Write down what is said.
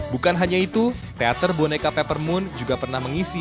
bukan hanya itu teater boneka peppermoon juga pernah mengisi